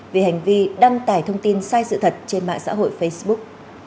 về hành vi đăng tải thông tin sai sự thật trên mạng xã hội facebook